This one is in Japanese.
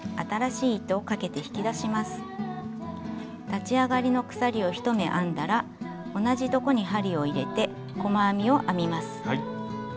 立ち上がりの鎖を１目編んだら同じところに針を入れて細編みを編みます。